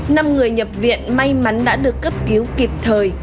năm người nhập viện may mắn đã được cấp cứu kịp thời